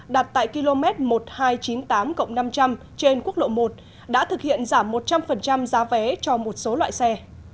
đặt tại km một nghìn hai trăm chín mươi tám năm trăm linh trên quốc lộ một đã thực hiện giảm một trăm linh giá vé cho một số loại xe